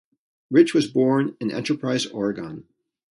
Rich was born in Enterprise, Oregon.